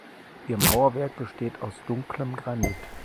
Ihr Mauerwerk besteht aus dunklem Granit.